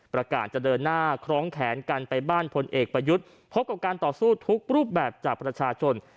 ประกาศจะเดินหน้าคล้องแขนกันไปบ้านพลเอกประยุทธ์พบกับการต่อสู้ทุกรูปแบบจากประชาชน